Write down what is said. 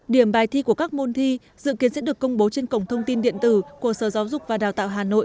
điểm bài thi của các môn thi dự kiến sẽ được công bố trên cổng thông tin điện tử của sở giáo dục và đào tạo hà nội